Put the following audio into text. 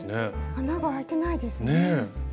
穴があいてないですね。